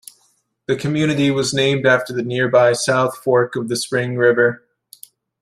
The community was named after the nearby South Fork of the Spring River.